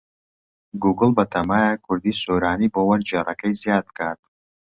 گووگڵ بەتەمایە کوردیی سۆرانی بۆ وەرگێڕەکەی زیاد بکات.